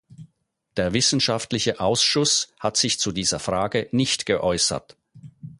Der Wissenschaftliche Ausschuss hat sich zu dieser Frage nicht geäußert.